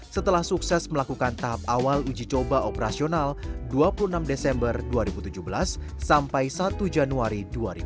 setelah sukses melakukan tahap awal uji coba operasional dua puluh enam desember dua ribu tujuh belas sampai satu januari dua ribu delapan belas